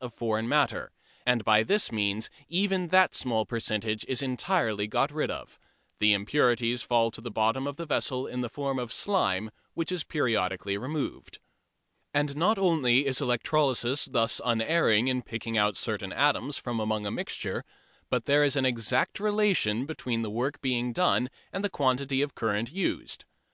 of foreign matter, and by this means even that small percentage is entirely got rid of. The impurities fall to the bottom of the vessel in the form of "slime," which is periodically removed. And not only is electrolysis thus unerring in picking out certain atoms from among a mixture, but there is an exact relation between the work done and the quantity of current used.